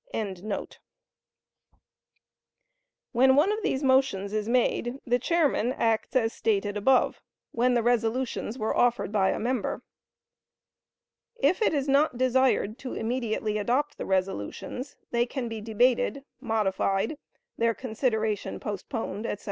] When one of these motions is made, the chairman acts as stated above when the resolutions were offered by a member. If it is not desired to immediately adopt the resolutions, they can be debated, modified, their consideration postponed, etc.